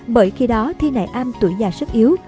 bởi khi đó thi nại am tuổi già sức yếu